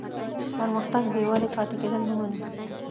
پرمختګ بېودې پاتې کېدل نه مني.